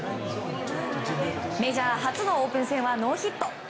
メジャー初のオープン戦はノーヒット。